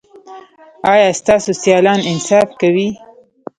ایا ستاسو سیالان انصاف کوي؟